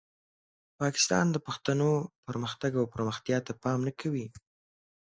پاکستان د پښتنو پرمختګ او پرمختیا ته پام نه کوي.